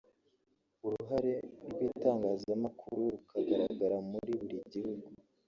uruhare rw’Itangazamakuru rukagaragara muri buri gihugu